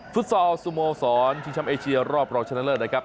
ซอลสโมสรชิงช้ำเอเชียรอบรองชนะเลิศนะครับ